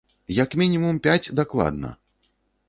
Як мінімум пяць дакладна!